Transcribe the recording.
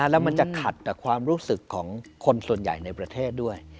แล้วมันจะขัดกับความรู้สึกของคนส่วนใหญ่ในประเทศด้วย